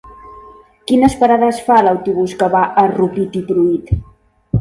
Quines parades fa l'autobús que va a Rupit i Pruit?